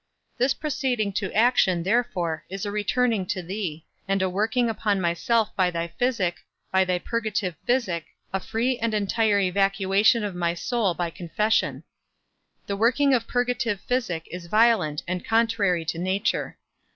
This proceeding to action, therefore, is a returning to thee, and a working upon myself by thy physic, by thy purgative physic, a free and entire evacuation of my soul by confession. The working of purgative physic is violent and contrary to nature.